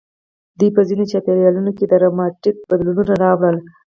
دوی په ځینو چاپېریالونو کې ډراماتیک بدلونونه راوړل.